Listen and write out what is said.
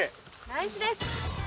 ナイスです